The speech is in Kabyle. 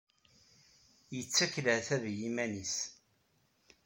Yettakf leɛtab i yiman-nnes.